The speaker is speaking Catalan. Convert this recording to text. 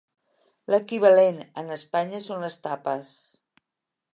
L'equivalent en Espanya són les tapes.